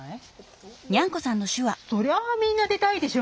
そりゃみんな出たいでしょ。